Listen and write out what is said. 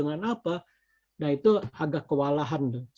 nah itu agak kewalahan